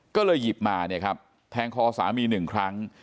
ก็เลยหยิบมาเนี่ยครับแทงคอสามีหนึ่งครั้ง